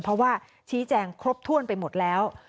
เพราะว่าชี้แจงครบถ้วนไปหมดแล้ว